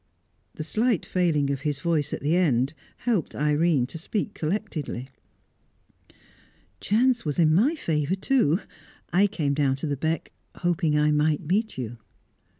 The slight failing of his voice at the end helped Irene to speak collectedly. "Chance was in my favour, too. I came down to the beck, hoping I might meet you."